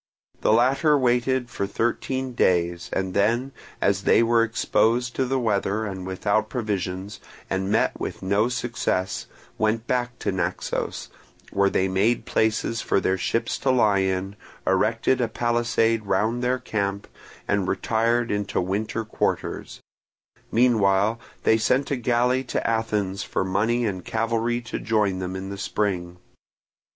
The latter waited for thirteen days, and then, as they were exposed to the weather and without provisions, and met with no success, went back to Naxos, where they made places for their ships to lie in, erected a palisade round their camp, and retired into winter quarters; meanwhile they sent a galley to Athens for money and cavalry to join them in the spring.